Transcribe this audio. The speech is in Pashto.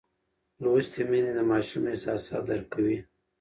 لوستې میندې د ماشوم احساسات درک کوي.